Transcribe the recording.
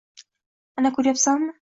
— Ana, ko’ryapsanmi?